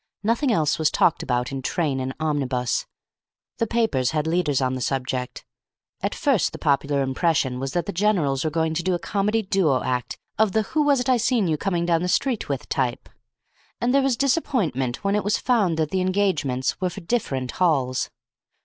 Nothing else was talked about in train and omnibus. The papers had leaders on the subject. At first the popular impression was that the generals were going to do a comedy duo act of the Who Was It I Seen You Coming Down the Street With? type, and there was disappointment when it was found that the engagements were for different halls.